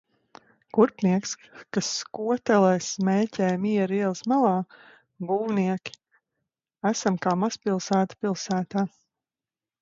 Kurpnieks, kas skotelē smēķē Miera ielas malā. Būvnieki. Esam kā mazpilsēta pilsētā.